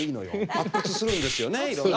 発掘するんですよねいろいろ。